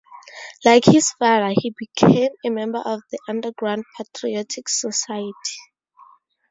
Like his father, he became a member of the underground "Patriotic Society".